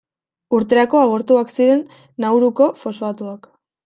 Urterako agortuak ziren Nauruko fosfatoak.